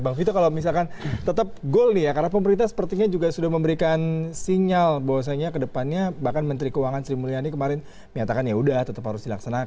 bang vito kalau misalkan tetap gol nih ya karena pemerintah sepertinya juga sudah memberikan sinyal bahwasanya ke depannya bahkan menteri keuangan sri mulyani kemarin menyatakan ya sudah tetap harus dilaksanakan